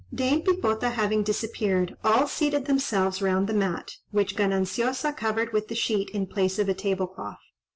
Dame Pipota having disappeared, all seated themselves round the mat, which Gananciosa covered with the sheet in place of a table cloth.